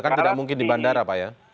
kan tidak mungkin di bandara pak ya